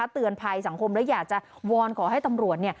เตือนภัยสังคมและอยากจะวอนขอให้ตำรวจ